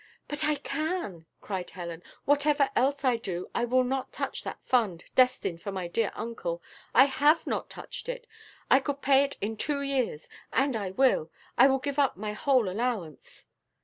"But I can," cried Helen; "whatever else I do, I will not touch that fund, destined for my dear uncle I have not touched it. I could pay it in two years, and I will I will give up my whole allowance."